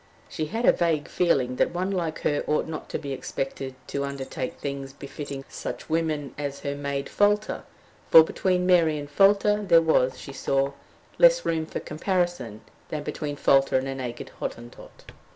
She had a vague feeling that one like her ought not to be expected to undertake things befitting such women as her maid Folter; for between Mary and Folter there was, she saw, less room for comparison than between Folter and a naked Hottentot.